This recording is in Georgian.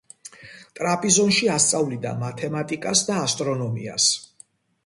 ტრაპიზონში ასწავლიდა მათემატიკას და ასტრონომიას.